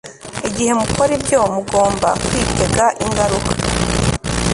Igihe mukora ibyo mugomba kwitega ingaruka